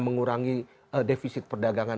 mengurangi defisit perdagangan